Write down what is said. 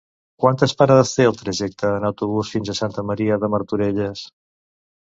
Quantes parades té el trajecte en autobús fins a Santa Maria de Martorelles?